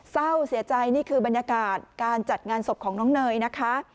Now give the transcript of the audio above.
เศร้าเสียใจนี่คือบรรยากาศการจัดงานศพของน้องเนยนะคะ